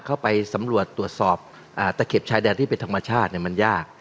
เข้าไปสำรวจตรวจสอบตะเข็บชายแดนที่เป็นธรรมชาติมันยาก